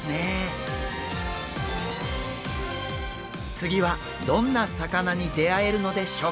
次はどんな魚に出会えるのでしょうか？